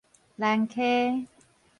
蘭溪